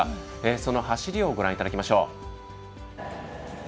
その走りをご覧いただきましょう。